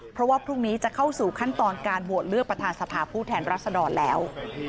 เพราะว่าพรุ่งนี้จะเข้าสู่ขั้นตอนการโหวตเลือกประธานสภาผู้แทนรัศดรแล้ว